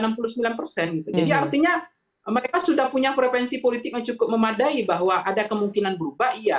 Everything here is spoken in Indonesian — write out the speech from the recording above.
jadi artinya mereka sudah punya preferensi politik yang cukup memadai bahwa ada kemungkinan berubah iya